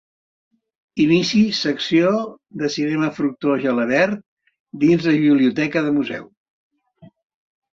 Inici Secció de Cinema Fructuós Gelabert dins la Biblioteca del Museu.